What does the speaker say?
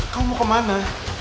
kamu mau kemana